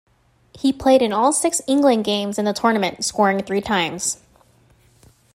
He played in all six England games in the tournament, scoring three times.